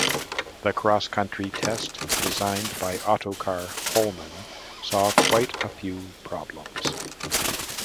The cross-country test, designed by Ottokar Pohlmann, saw quite a few problems.